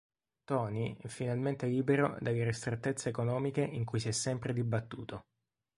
Tony è finalmente libero dalle ristrettezze economiche in cui si è sempre dibattuto.